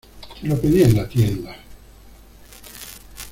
¡ Te lo pedí en la tienda!